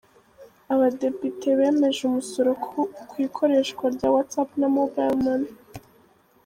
Uganda: Abadepite bemeje umusoro ku ikoreshwa rya WhatsApp na Mobile Money.